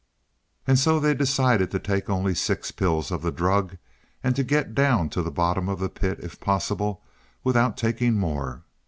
And so they decided to take only six pills of the drug and to get down to the bottom of the pit, if possible, without taking more.